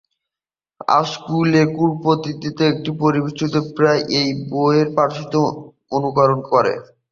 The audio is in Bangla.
অশূরীয় কুলপতিদের একটা পরিশিষ্ট প্রায়ই এই বইয়ের পাঠ্যাংশকে অনুসরণ করে।